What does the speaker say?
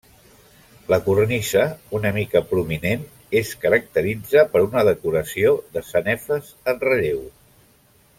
La cornisa, una mica prominent, es caracteritza per una decoració de sanefes en relleu.